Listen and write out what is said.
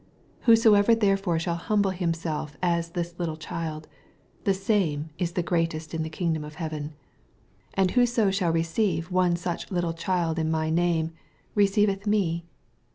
4 Whosoever therefore shall humble himself as this little child, the same IB greatest in the kingdom of heaven. 5 And whoso shall receive one such little child in.my name receiveth me.